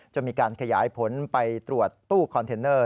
จะมีการขยายผลไปตรวจตู้คอนเทนเนอร์